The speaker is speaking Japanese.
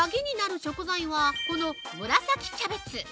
鍵になる食材はこの紫キャベツ！